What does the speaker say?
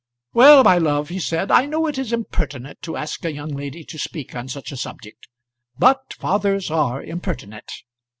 "Well, my love," he said, "I know it is impertinent to ask a young lady to speak on such a subject; but fathers are impertinent.